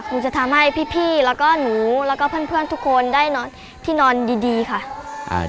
หนูจะทำให้พี่แล้วก็หนูแล้วก็เพื่อนทุกคนได้นอนที่นอนดีดีค่ะ